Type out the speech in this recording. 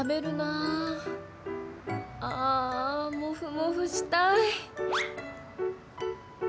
ああ、モフモフしたい。